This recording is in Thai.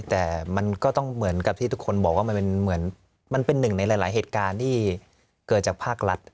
แต่มันก็ต้องเหมือนกับที่ทุกคนบอกว่ามันเป็นเหมือนมันเป็นหนึ่งในหลายเหตุการณ์ที่เกิดจากภาครัฐ